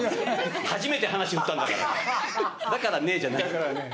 初めて話ふったんだから「だからね」じゃない。